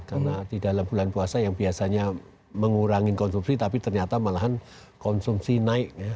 karena di dalam bulan puasa yang biasanya mengurangi konsumsi tapi ternyata malahan konsumsi naik ya